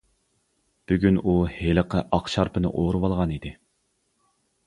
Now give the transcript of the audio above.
بۈگۈن ئۇ ھېلىقى ئاق شارپىنى ئورىۋالغان ئىدى.